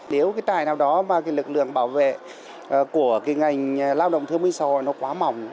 nếu cái trại nào đó mà lực lượng bảo vệ của ngành lao động thương minh xã hội nó quá mỏng